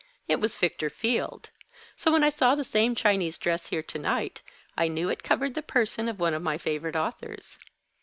It was Victor Field. So, when I saw the same Chinese dress here to night, I knew it covered the person of one of my favorite authors.